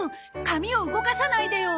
紙を動かさないでよ！